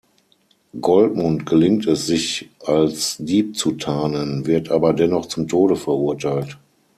Goldmund gelingt es, sich als Dieb zu tarnen, wird aber dennoch zum Tode verurteilt.